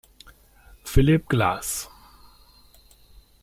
Phillip Glass